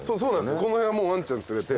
この辺はワンちゃん連れて。